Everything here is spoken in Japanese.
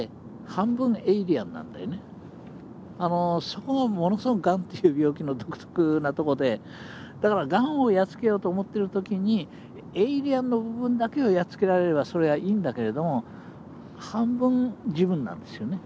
そこがものすごくがんという病気の独特なとこでだからがんをやっつけようと思ってる時にエイリアンの部分だけをやっつけられればそれはいいんだけれども半分自分なんですよね。